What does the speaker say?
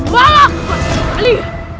malah kau sekali